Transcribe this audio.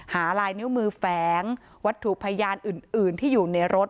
ลายนิ้วมือแฝงวัตถุพยานอื่นที่อยู่ในรถ